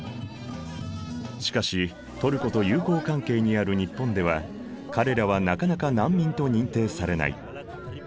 しかしトルコと友好関係にある日本では彼らはなかなか難民と認定されない。